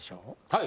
はい。